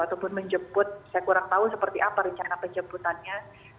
ataupun menjemput saya kurang tahu seperti apa rencana penjemputannya